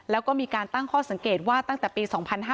แล้วก็มีการตั้งข้อสังเกตว่าตั้งแต่ปี๒๕๕๙